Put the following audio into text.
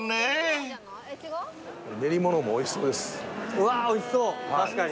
うわおいしそう確かに。